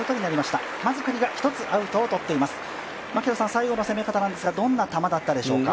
最後の攻め方ですがどんな球だったでしょうか。